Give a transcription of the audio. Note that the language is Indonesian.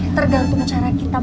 tergantung cara kita memperbaiki